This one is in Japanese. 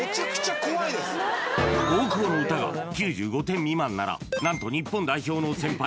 大久保の歌が９５点未満なら何と日本代表の先輩